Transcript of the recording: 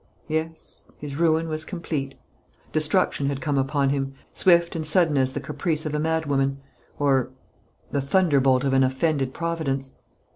Yes, his ruin was complete. Destruction had come upon him, swift and sudden as the caprice of a madwoman or the thunderbolt of an offended Providence.